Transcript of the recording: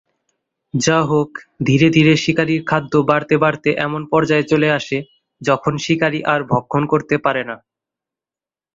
যা হোক, ধীরে ধীরে শিকারীর খাদ্য বাড়তে বাড়তে এমন পর্যায়ে চলে আসে যখন শিকারী আর ভক্ষণ করতে পারে না।